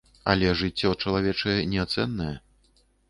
Але жыццё чалавечае неацэннае.